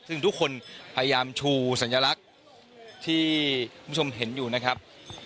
ซึ่งทุกคนพยายามชูสัญลักษณ์ที่คุณผู้ชมเห็นอยู่นะครับ